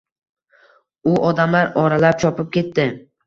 U odamlar oralab chopib ketdi.